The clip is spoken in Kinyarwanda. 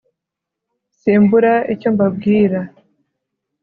simbura icyo mba bwira